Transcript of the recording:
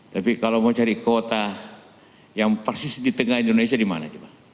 tapi kalau mau cari kota yang persis di tengah indonesia di mana